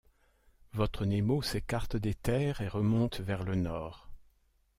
Votre Nemo s’écarte des terres et remonte vers le nord.